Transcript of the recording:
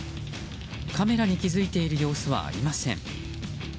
カメラに気付いている様子はありません。